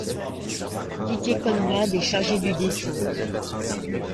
Didier Conrad est chargé du dessin.